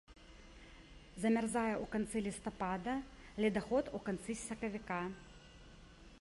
Замярзае ў канцы лістапада, ледаход у канцы сакавіка.